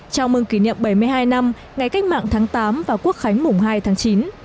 chào mừng kỷ niệm bảy mươi hai năm ngày cách mạng tháng tám và quốc khánh mùng hai tháng chín